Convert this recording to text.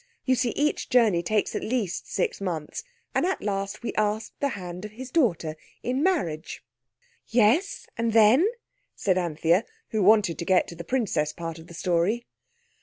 You see each journey takes at least six months. And at last we asked the hand of his daughter in marriage." "Yes, and then?" said Anthea, who wanted to get to the princess part of the story.